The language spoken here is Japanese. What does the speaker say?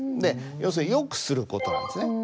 要するに善くする事なんですね。